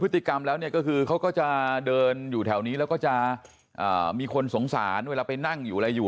พฤติกรรมแล้วเนี่ยก็คือเขาก็จะเดินอยู่แถวนี้แล้วก็จะมีคนสงสารเวลาไปนั่งอยู่อะไรอยู่